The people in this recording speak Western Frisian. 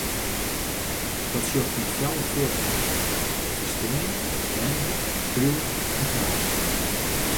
Dat sjocht nei fjouwer feardichheden: ferstean, lêzen, skriuwen en praten.